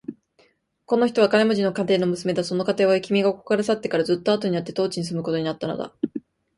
この人は金持の家庭の娘だ。その家庭は、君がここから去ってからずっとあとになって当地に住むことになったのだ。